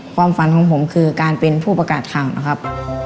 ความฝันของผมคือการเป็นผู้ประกาศข่าวนะครับ